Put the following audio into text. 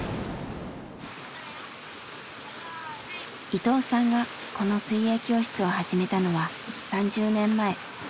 伊藤さんがこの水泳教室を始めたのは３０年前。